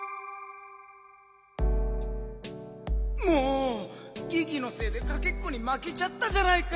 もうギギのせいでかけっこにまけちゃったじゃないか！